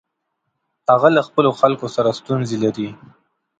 هغه له خپلو خلکو سره ستونزې لري.